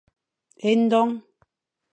Edong.